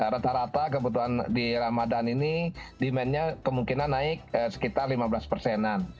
rata rata kebutuhan di ramadan ini demandnya kemungkinan naik sekitar lima belas persenan